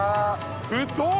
太っ！